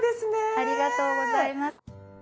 ありがとうございます。